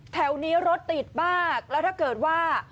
แถวนี้รถติดมากแล้วถ้าเกิดว่า